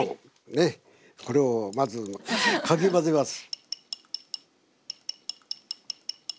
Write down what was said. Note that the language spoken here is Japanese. これをまずかき混ぜます。